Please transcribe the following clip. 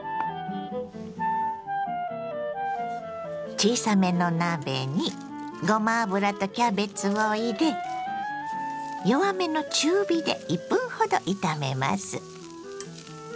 小さめの鍋にごま油とキャベツを入れ弱めの中火で１分ほど炒めます。